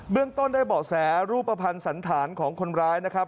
เรื่องต้นได้เบาะแสรูปภัณฑ์สันธารของคนร้ายนะครับ